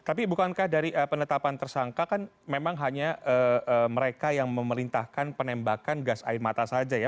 tapi bukankah dari penetapan tersangka kan memang hanya mereka yang memerintahkan penembakan gas air mata saja ya